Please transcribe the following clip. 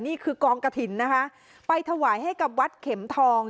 นี่คือกองกระถิ่นนะคะไปถวายให้กับวัดเข็มทอง